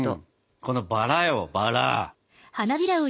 このバラよバラ。